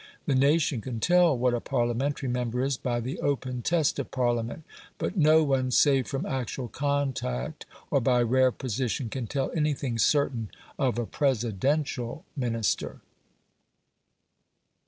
The nation can tell what a Parliamentary member is by the open test of Parliament; but no one, save from actual contact, or by rare position, can tell anything certain of a Presidential Minister.